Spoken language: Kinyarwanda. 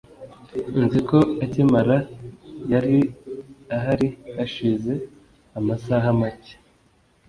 Nzi ko akimana yari ahari hashize amasaha make.